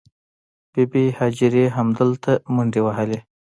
بې بي هاجرې همدلته منډې وهلې.